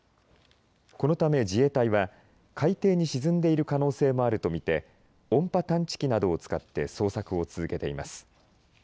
このため自衛隊は海底に沈んでいる可能性もあると見て音波探知機などを使って捜索を続けています。